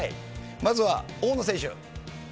まずは、大野選手。